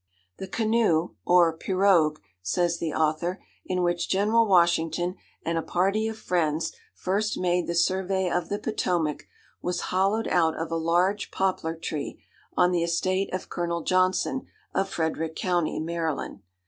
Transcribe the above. "The canoe, or pirogue," says the author, "in which General Washington and a party of friends first made the survey of the Potomac, was hollowed out of a large poplar tree, on the estate of Colonel Johnson, of Frederick county, Maryland.